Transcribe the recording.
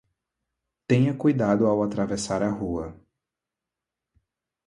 Tenha cuidado ao atravessar a rua